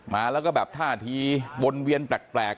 มาแล้วก็แบบท่าทีวนเวียนแปลก